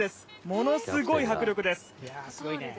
ものすごい迫力です。